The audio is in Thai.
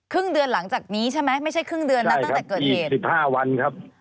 ครึ่งเดือนหลังจากนี้ใช่ไหมไม่ใช่ครึ่งเดือนนะตั้งแต่เกิดเหตุใช่ครับอีก๑๕วันครับ